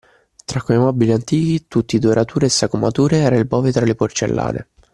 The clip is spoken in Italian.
Tra quei mobili antichi, tutti dorature e sagomature era il bove tra le porcellane.